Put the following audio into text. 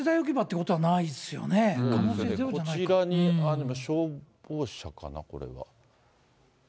こちらにあるの、消防車かな、これは。